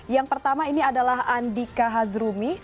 yang pertama ini adalah andika hazrumi